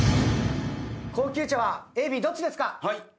高級茶はＡＢどっちですか？